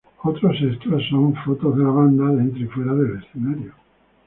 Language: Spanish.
Otro extra es fotos de la banda, dentro y fuera del escenario.